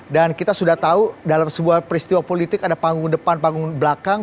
dan kita sudah tahu dalam sebuah peristiwa politik ada panggung depan panggung belakang